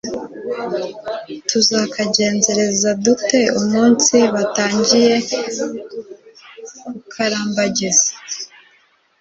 tuzakagenzereza dute umunsi batangiye kukarambagiza